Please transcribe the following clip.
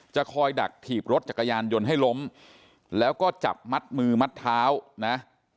คอยดักถีบรถจักรยานยนต์ให้ล้มแล้วก็จับมัดมือมัดเท้านะ